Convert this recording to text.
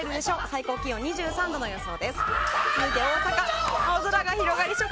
最高気温２４度の予想です。